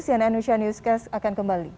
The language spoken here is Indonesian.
cnn indonesia newscast akan kembali